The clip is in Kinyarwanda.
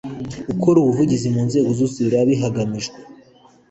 Gukora ubuvugizi mu nzego zose bireba hagamijwe